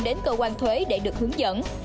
đến cơ quan thuế để được hướng dẫn